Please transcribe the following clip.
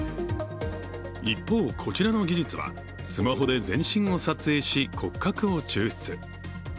一方、こちらの技術は、スマホで全身を撮影し、骨格を抽出。